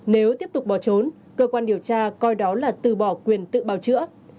nếu tiếp tục bỏ trốn cơ quan điều tra coi đó là từ bỏ quyền tự bào chữa